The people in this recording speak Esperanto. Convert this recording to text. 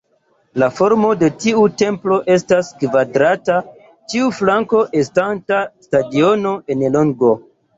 La formo de tiu templo estas kvadrata, ĉiu flanko estanta stadiono en longo.